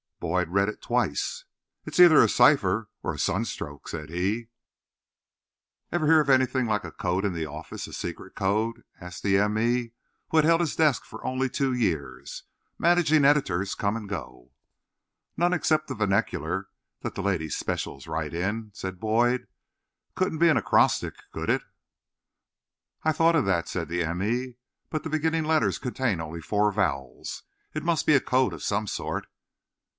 Boyd read it twice. "It's either a cipher or a sunstroke," said he. "Ever hear of anything like a code in the office—a secret code?" asked the m. e., who had held his desk for only two years. Managing editors come and go. "None except the vernacular that the lady specials write in," said Boyd. "Couldn't be an acrostic, could it?" "I thought of that," said the m. e., "but the beginning letters contain only four vowels. It must be a code of some sort."